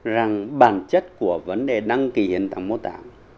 rằng bản chất của vấn đề đăng ký hiến tạng mô tảm